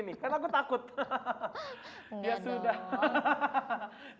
untuk pemenangnya momotishi terawak dengan senang